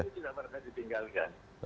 itu tidak pernah ditinggalkan